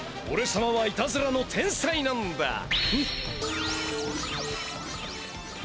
俺様はいたずらの天才なんだ！